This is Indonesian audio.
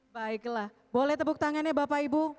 baiklah boleh tepuk tangannya bapak ibu